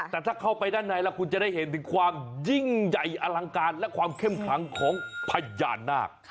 แต่ถ้าเข้าไปด้านในแล้วคุณจะได้เห็นถึงความยิ่งใหญ่อลังการและความเข้มขังของพญานาค